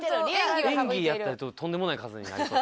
演技やったらとんでもない数になりそう。